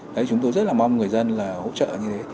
đấy chúng tôi rất là mong người dân là hỗ trợ như thế